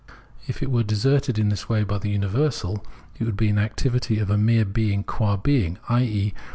If it were deserted in this way by the universal, it would be an activity of a mere being qua being, i.e.